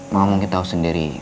mama mungkin tau sendiri